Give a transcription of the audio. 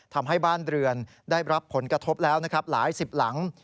ทำให้บ้านเรือนได้รับผลกระทบแล้วนะครับหลายสิบหลัง